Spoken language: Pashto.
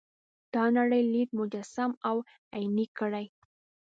دا نړۍ لید مجسم او عیني کړي.